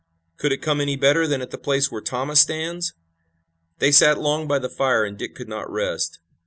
"Could it come any better than at the place where Thomas stands?" They sat long by the fire and Dick could not rest.